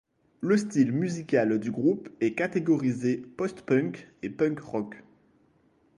Le style musical du groupe est catégorisé post-punk et punk rock.